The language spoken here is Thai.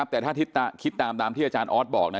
แต่ถ้าคิดตามที่อาจารย์ออสบอกนะ